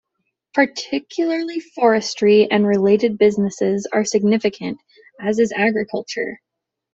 Particularly forestry and related businesses are significant, as is agriculture.